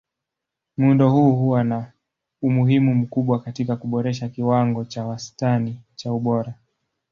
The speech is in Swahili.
Muundo huu huwa na umuhimu mkubwa katika kuboresha kiwango cha wastani cha ubora.